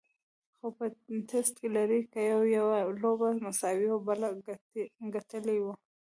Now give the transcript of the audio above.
خو په ټېسټ لړۍ کې یې یوه لوبه مساوي او بله ګټلې وه.